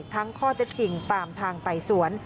ทั้งข้อเจ็บจริงตามทางไต่สวน